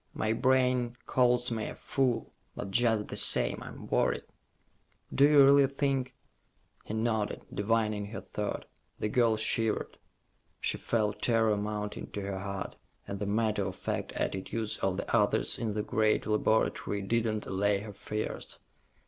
"My brain calls me a fool, but just the same, I'm worried." "Do you really think ...?" He nodded, divining her thought. The girl shivered. She felt terror mounting to her heart, and the matter of fact attitudes of the others in the great laboratory did not allay her fears.